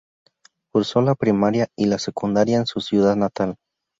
Cursó la primaria y la secundaria en su ciudad natal.